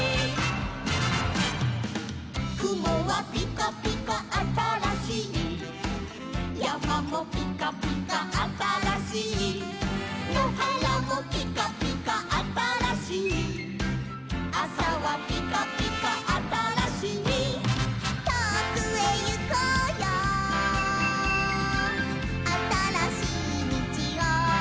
「くもはぴかぴかあたらしい」「やまもぴかぴかあたらしい」「のはらもぴかぴかあたらしい」「あさはぴかぴかあたらしい」「とおくへゆこうよあたらしいみちを」